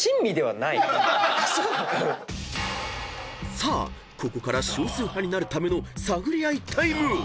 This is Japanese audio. ［さあここから少数派になるための探り合いタイム！